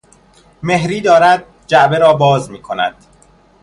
مهری دارد جعبه را باز میکند.